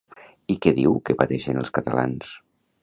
I què diu que pateixen els catalans?